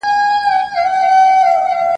اوبه د زهشوم لخوا څښل کېږي!.